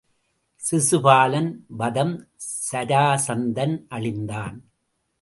சிசுபாலன் வதம் சராசந்தன் அழிந்தான்.